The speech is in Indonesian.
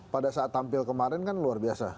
pada saat tampil kemarin kan luar biasa